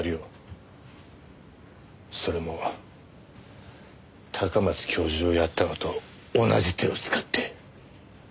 それも高松教授をやったのと同じ手を使って。